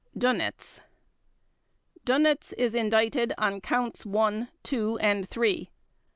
DÖNITZ Dönitz is indicted on Counts One, Two, and Three.